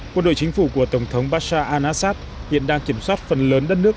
quân đội chính phủ của tổng thống bashra al assad hiện đang kiểm soát phần lớn đất nước